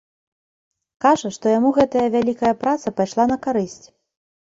Кажа, што яму гэтая вялікая праца пайшла на карысць.